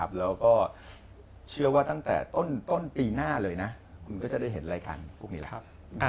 เป็นยังไงครับ